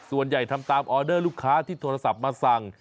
ทำตามออเดอร์ลูกค้าที่โทรศัพท์มาสั่ง